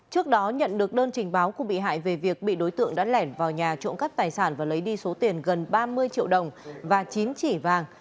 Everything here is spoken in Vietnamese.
trước đó nhận được đơn trình báo của bị hại về việc bị đối tượng đã lẻn vào nhà trộm cắp tài sản và lấy đi số tiền gần ba mươi triệu đồng và chín chỉ vàng